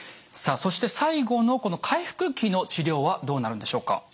さあそして最後のこの回復期の治療はどうなるんでしょうか？